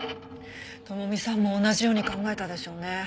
朋美さんも同じように考えたでしょうね。